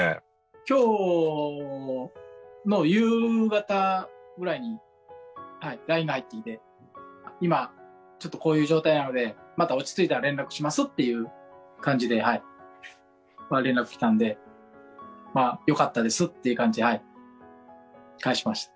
きょうの夕方ぐらいにＬＩＮＥが入ってきて、今、ちょっとこういう状態なので、また落ち着いたら連絡しますっていう感じで連絡来たんで、よかったですっていう感じで返しました。